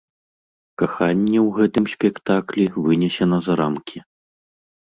Каханне ў гэтым спектаклі вынесена за рамкі.